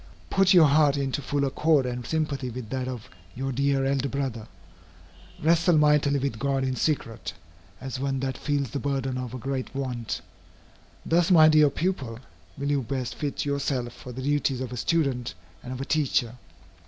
Put your heart into full accord and sympathy with that of your dear elder Brother. Wrestle mightily with God in secret, as one that feels the burden of a great want. Thus, my dear pupil, will you best fit yourself for the duties of a student and of a teacher.